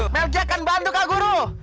melj akan bantu kak guru